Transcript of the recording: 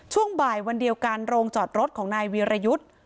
ช่วงบ่ายวันเดียวกันโรงจอดรถของนายวีรยุทธ์